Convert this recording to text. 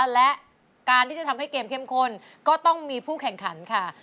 และการที่จะทำให้เกมเข้มข้นก็ต้องมีผู้แข่งขันค่ะ